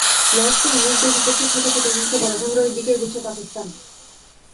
লর্ডসে ইংলিশদের বিপক্ষে ছোট ছোট ইনিংসে বড় সংগ্রহের দিকে এগুচ্ছে পাকিস্তান।